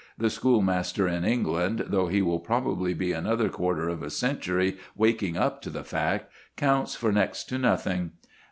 The schoolmaster in England, though he will probably be another quarter of a century waking up to the fact, counts for next to nothing.